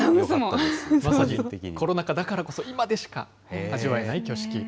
まさにコロナ禍だからこそ、今でしか味わえない挙式。